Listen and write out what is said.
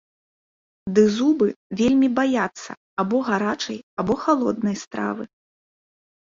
Ды зубы вельмі баяцца або гарачай, або халоднай стравы.